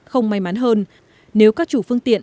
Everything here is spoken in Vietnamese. không may mắn hơn nếu các chủ phương tiện